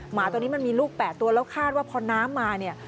หมาตัวนี้มันมีลูก๘ตัวแล้วคาดว่าพอน้ำมาเนี่ย